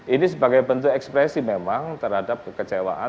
ini sebagai bentuk ekspresi memang terhadap kekecewaan